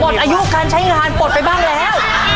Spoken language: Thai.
อายุการใช้งานปลดไปบ้างแล้ว